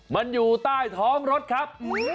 มันอยู่ใต้ท้องรถครับ